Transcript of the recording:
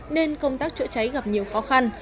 nên công tác chữa cháy gặp nhiều khó khăn